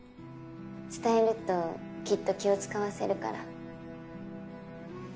伝えるときっと気を使わせるから。